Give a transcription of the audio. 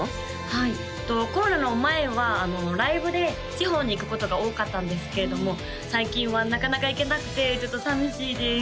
はいコロナの前はライブで地方に行くことが多かったんですけれども最近はなかなか行けなくてちょっと寂しいです